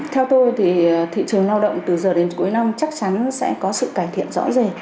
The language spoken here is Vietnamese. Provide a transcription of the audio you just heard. theo tôi thì thị trường lao động từ giờ đến cuối năm chắc chắn sẽ có sự cải thiện rõ rệt